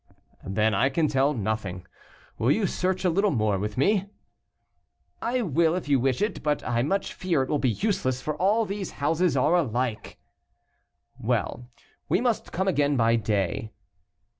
"Then I can tell nothing. Will you search a little more with me?" "I will if you wish it; but I much fear it will be useless for all these houses are alike." "Well, we must come again by day."